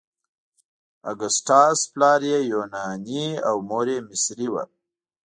اګسټاس پلار یې یوناني او مور یې مصري وه.